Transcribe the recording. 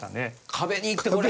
壁に行ってこれ。